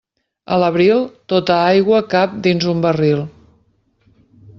A l'abril, tota l'aigua cap dins un barril.